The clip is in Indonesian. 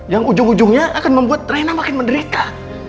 yang ujung ujungnya akan membuat reina makin menderita